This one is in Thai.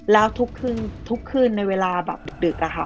แล้วทุกคืนในเวลาแบบดึกอะค่ะ